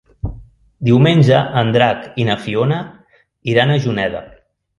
Diumenge en Drac i na Fiona iran a Juneda.